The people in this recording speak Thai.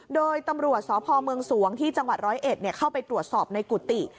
โดยตำรวจสพเมืองสวงที่จังหวัดร้อยเอ็ดเข้าไปตรวจสอบในกุฏิ